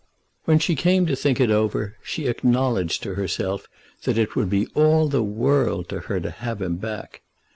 When she came to think it over, she acknowledged to herself that it would be all the world to her to have him back.